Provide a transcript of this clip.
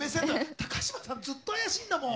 高嶋さん、ずっと怪しいんだもん。